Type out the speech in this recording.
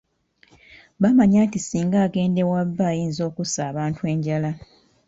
Bamanya nti singa agenda ewa bba ayinza okussa abantu enjala.